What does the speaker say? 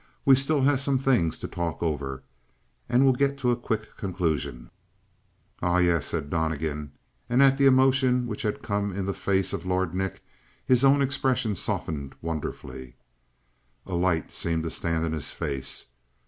We still have some things to talk over. And we'll get to a quick conclusion." "Ah, yes," said Donnegan, and at the emotion which had come in the face of Lord Nick, his own expression softened wonderfully. A light seemed to stand in his face.